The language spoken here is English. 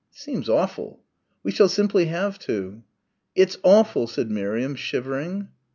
"It seems awful." "We shall simply have to." "It's awful," said Miriam, shivering.